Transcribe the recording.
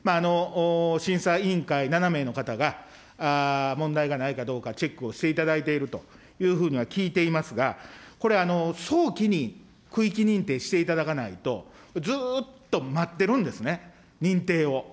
審査委員会７名の方が問題がないかどうかチェックをしていただいているというふうには聞いていますが、これ、早期に区域認定していただかないと、ずっと待ってるんですね、認定を。